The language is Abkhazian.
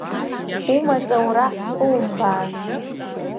Умаҵ аура ҳахумбаан!